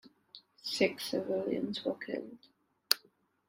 Six civilians were killed.